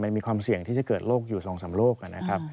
มันมีความเสี่ยงที่จะเกิดโรคอยู่๒๓โรคนะครับ